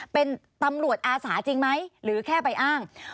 เป็นตำรวจอาสาจริงไหมหรือแค่ไปอ้าง